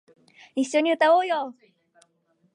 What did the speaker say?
一緒に歌おうよ